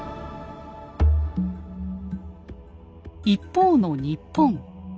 一方の日本。